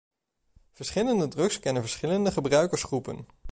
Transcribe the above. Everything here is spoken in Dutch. Verschillende drugs kennen verschillende gebruikersgroepen.